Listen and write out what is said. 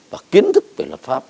và kiến thức về lập pháp